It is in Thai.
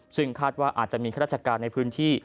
ซึ่งคาดว่าอาจจะมีข้าราชการในพื้นที่